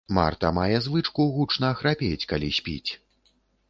Марта мае звычку гучна храпець, калі спіць.